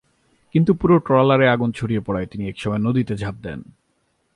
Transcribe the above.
কিন্তু পুরো ট্রলারে আগুন ছড়িয়ে পড়ায় তিনি একসময় নদীতে ঝাঁপ দেন।